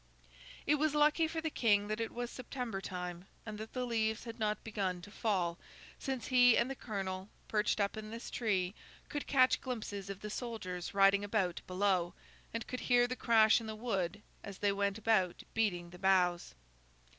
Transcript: It was lucky for the King that it was September time, and that the leaves had not begun to fall, since he and the Colonel, perched up in this tree, could catch glimpses of the soldiers riding about below, and could hear the crash in the wood as they went about beating the boughs.